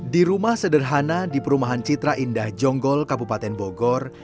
di rumah sederhana di perumahan citra indah jonggol kabupaten bogor